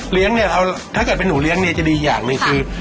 เนี่ยถ้าเกิดเป็นหนูเลี้ยงเนี่ยจะดีอย่างหนึ่งคือ